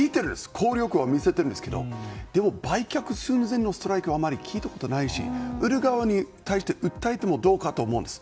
効力を見せているんですけど売却寸前のストライキはあまり聞いたことないし売る側に対して訴えてもどうかと思うんです。